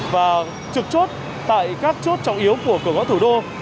và trực chốt tại các chốt trọng yếu của cửa ngõ thủ đô